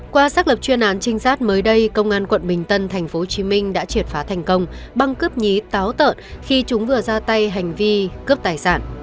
qua xác lập chuyên án trinh sát mới đây công an quận bình tân tp hcm đã triệt phá thành công băng cướp nhí táo tợn khi chúng vừa ra tay hành vi cướp tài sản